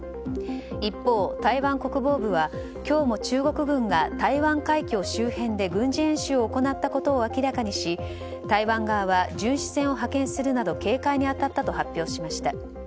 一方、台湾国防部は今日も中国軍が台湾海峡周辺で軍事演習を行ったことを明らかにし台湾側は巡視船を派遣するなど警戒に当たったと発表しました。